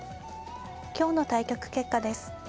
今日の対局結果です。